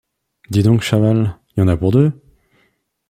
Dis donc, Chaval, y en a pour deux !